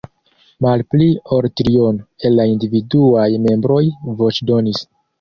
Malpli ol triono el la individuaj membroj voĉdonis.